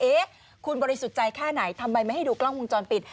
เอ๊ะคุณบริสุทธิ์ใจแค่ไหนทำไมไม่ให้ดูกล้องวงจรปิด